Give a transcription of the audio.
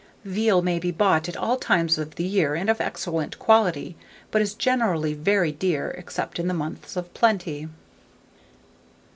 Veal may be bought at all times of the year and of excellent quality, but is generally very dear, except in the months of plenty.